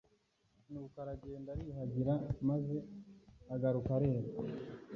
nuko aragenda ariyuhagira, maze agaruka areba.'»